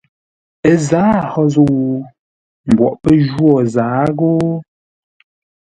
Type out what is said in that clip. Ə zǎa hó zə̂u? Mboʼ pə́ jwô zǎa ghó?